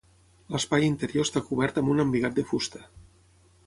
L'espai interior està cobert amb un embigat de fusta.